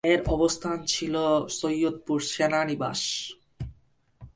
এর অবস্থান ছিল সৈয়দপুর সেনানিবাসে।